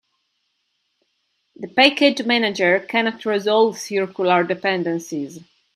The package manager cannot resolve circular dependencies.